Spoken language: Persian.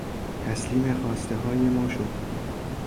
تسلیم خواستههای ما شد.